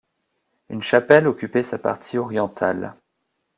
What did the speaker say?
Une chapelle occupait sa partie orientale.